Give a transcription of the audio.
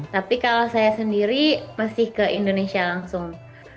tapi kalau saya sendiri masih ke indonesia langsung